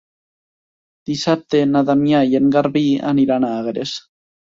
Dissabte na Damià i en Garbí aniran a Agres.